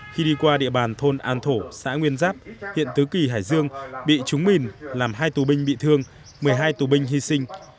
khi đi qua địa bàn thôn an thổ xã nguyên giáp huyện tứ kỳ hải dương bị trúng mìn làm hai tù binh bị thương một mươi hai tù binh hy sinh